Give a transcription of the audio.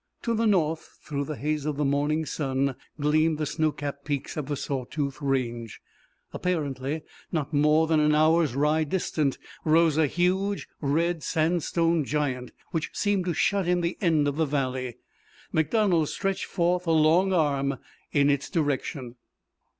To the north through the haze of the morning sun gleamed the snow capped peaks of the Saw Tooth Range. Apparently not more than an hour's ride distant rose a huge red sandstone giant which seemed to shut in the end of the valley MacDonald stretched forth a long arm in its direction.